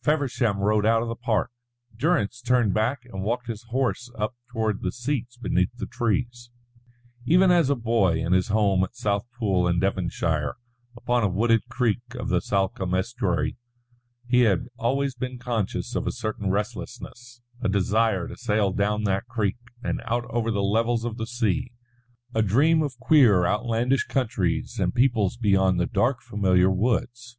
Feversham rode out of the park, Durrance turned back and walked his horse up toward the seats beneath the trees. Even as a boy in his home at Southpool in Devonshire, upon a wooded creek of the Salcombe estuary, he had always been conscious of a certain restlessness, a desire to sail down that creek and out over the levels of the sea, a dream of queer outlandish countries and peoples beyond the dark familiar woods.